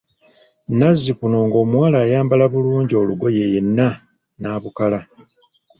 Nazzikuno ng'omuwala ayambala bulungi olugoye yenna n'abukala.